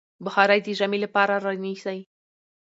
بخارۍ د ژمي لپاره رانيسئ.